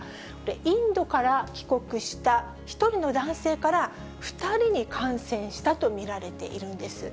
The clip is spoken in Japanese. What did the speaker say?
インドから帰国した１人の男性から、２人に感染したと見られているんです。